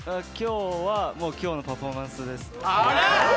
今日は、今日のパフォーマンスです。